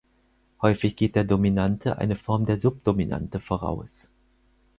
Häufig geht der Dominante eine Form der Subdominante voraus.